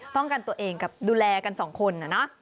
ป้องกันตัวเองดูแลกันกับสองคนอะนะ